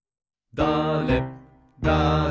だれだれ